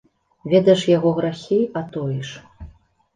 Ведаеш яго грахі, а тоіш.